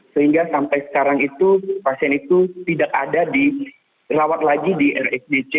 sehingga sampai sekarang itu pasien itu tidak ada di rawat lagi di rsjc